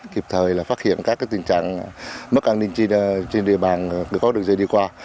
kịp thời phát hiện các tình trạng mất an ninh trên địa bàn đã có đường dây đi qua